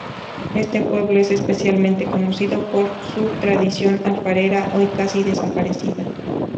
Este pueblo es especialmente conocido por su tradición alfarera, hoy casi desaparecida.